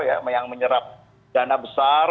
yang menyerap dana besar